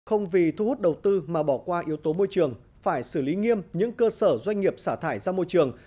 không vì thu hút đầu tư mà bỏ qua yếu tố môi trường phải xử lý nghiêm những cơ sở doanh nghiệp xả thải ra môi trường